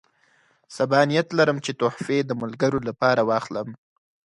سبا نیت لرم چې تحفې د ملګرو لپاره واخلم.